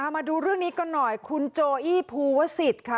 มาดูเรื่องนี้กันหน่อยคุณโจอี้ภูวสิทธิ์ค่ะ